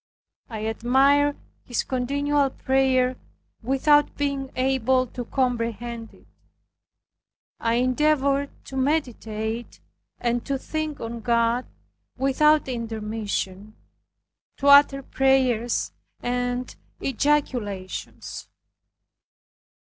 I admired his continual prayer without being able to comprehend it. I endeavored to meditate, and to think on God without intermission, to utter prayers and ejaculations.